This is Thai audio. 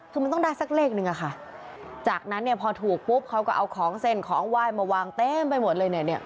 คือมันต้องได้สักเลขหนึ่งอะค่ะจากนั้นเนี่ยพอถูกปุ๊บเขาก็เอาของเส้นของไหว้มาวางเต็มไปหมดเลยเนี่ยเนี่ย